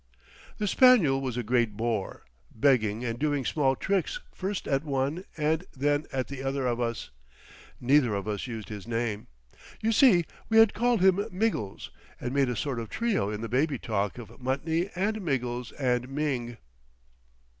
The spaniel was a great bore, begging and doing small tricks first at one and then at the other of us. Neither of us used his name. You see we had called him Miggles, and made a sort of trio in the baby talk of Mutney and Miggles and Ming.